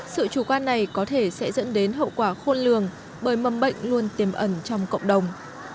sự chủ quan này có thể sẽ dẫn đến hậu quả khôn lường bởi mầm bệnh luôn tiềm ẩn trong cộng đồng